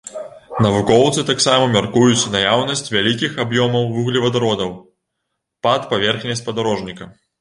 Навукоўцы таксама мяркуюць наяўнасць вялікіх аб'ёмаў вуглевадародаў пад паверхняй спадарожніка.